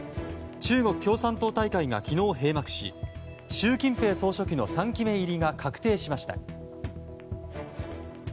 中国共産党大会が昨日閉幕し習近平総書記の３期目入りが確定しました。